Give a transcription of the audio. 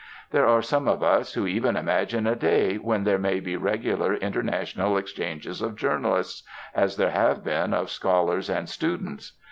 There are some of us who even imagine a day when there may be regular international exchanges of journalists, as there have been of scholars and students.